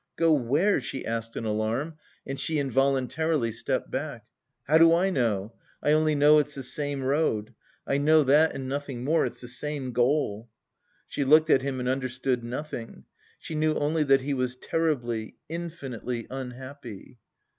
"Go where?" she asked in alarm and she involuntarily stepped back. "How do I know? I only know it's the same road, I know that and nothing more. It's the same goal!" She looked at him and understood nothing. She knew only that he was terribly, infinitely unhappy.